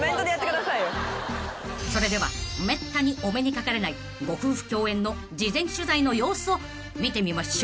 ［それではめったにお目にかかれないご夫婦共演の事前取材の様子を見てみましょう］